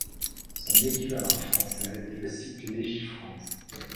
Son équivalent français est le site Légifrance.